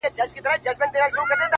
زه لاس په سلام سترگي راواړوه ـ